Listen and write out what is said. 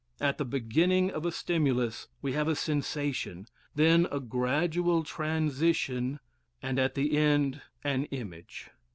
At the beginning of a stimulus we have a sensation; then a gradual transition; and at the end an image.